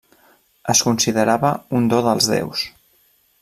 Es considerava un do dels déus.